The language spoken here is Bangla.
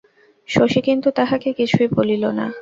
শশী কিন্তু তাহাকে কিছুই বলিল না।